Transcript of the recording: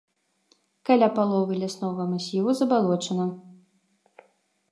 Каля паловы ляснога масіву забалочана.